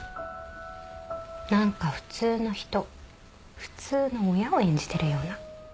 何か普通の人普通の親を演じてるような。